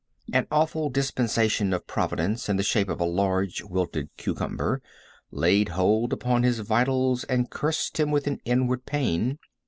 An awful dispensation of Providence, in the shape of a large, wilted cucumber, laid hold upon his vitals and cursed him with an inward pain.